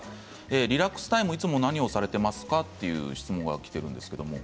リラックスタイムいつも何をされていますか？という質問がきています。